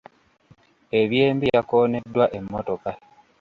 Eby'embi yakooneddwa emmotoka.